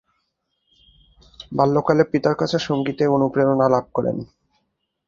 বাল্যকালে পিতার কাছে সংগীতে অনুপ্রেরণা লাভ করেন।